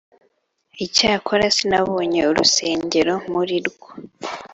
Icyakora sinabonye urusengero muri rwo,